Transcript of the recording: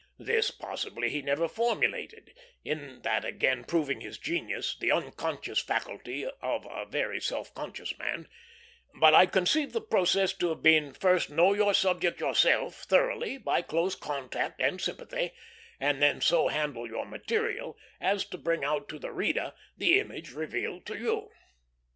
This possibly he never formulated, in that again proving his genius, the unconscious faculty of a very self conscious man; but I conceive the process to have been, first know your subject yourself thoroughly by close contact and sympathy, and then so handle your material as to bring out to the reader the image revealed to you.